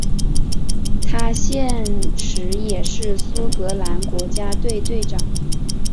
他现时也是苏格兰国家队队长。